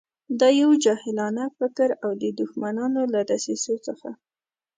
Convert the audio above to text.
دا یو جاهلانه فکر او د دښمنانو له دسیسو څخه.